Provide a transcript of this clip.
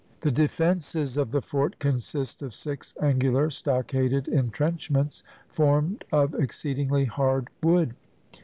The defences of the fort consist of six angular stockaded entrenchments, formed of exceedingly hard wood.